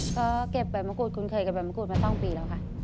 ก็เก็บใบมะกรูดคุ้นเคยกับใบมะกรูดมา๒ปีแล้วค่ะ